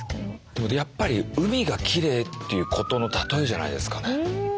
でもやっぱり海がきれいっていうことの例えじゃないですかね。